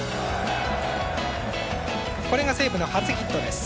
これが西武の初ヒットです。